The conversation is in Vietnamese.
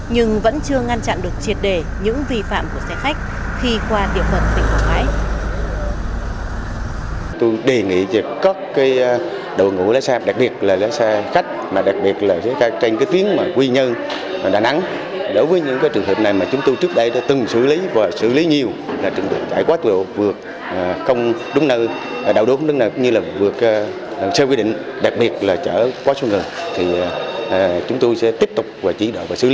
nhưng vẫn chưa ngăn chặn được triệt để những vi phạm của xe khách khi qua địa bàn tỉnh quảng ngãi